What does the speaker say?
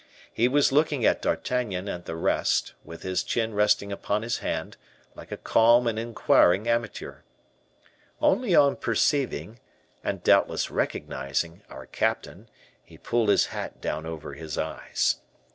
He was looking at D'Artagnan and the rest, with his chin resting upon his hand, like a calm and inquiring amateur. Only on perceiving, and doubtless recognizing, our captain, he pulled his hat down over his eyes.